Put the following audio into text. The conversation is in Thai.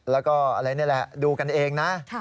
แล้วก็อะไรนี่แหละดูกันเองนะ